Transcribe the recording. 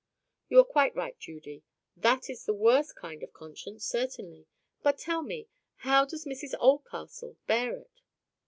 "You are quite right, Judy; that is the worst kind of conscience, certainly. But tell me, how does Mrs Oldcastle bear it?"